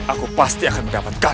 aku pasti akan mendapatkanmu